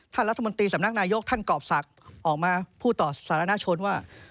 ท่านรัฐมนตรีสำนักนายกท่านกรอบศักดิ์ออกมาพูดต่อสาธารณชนว่า